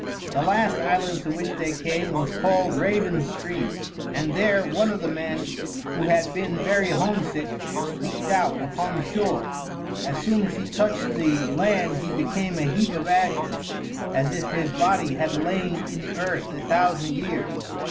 The last island to which they came was called Raven's Stream, and there one of the men, who had been very homesick, leaped out upon shore. As soon as he touched the land he became a heap of ashes, as if his body had lain in the earth a thousand years.